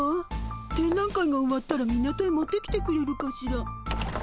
展覧会が終わったら港へ持ってきてくれるかしら。